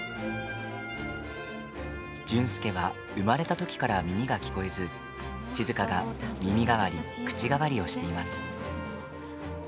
純介は、生まれた時から耳が聞こえず、静が耳代わり口代わりをしています。